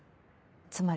つまり。